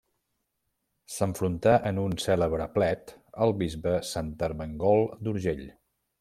S'enfrontà en un cèlebre plet al bisbe Sant Ermengol d'Urgell.